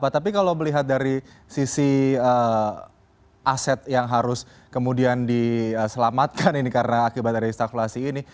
tapi kalau melihat dari sisi aset yang harus kemudian diselamatkan ini karena akibat dari stakulasi ini